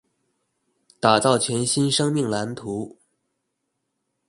打造全新生命藍圖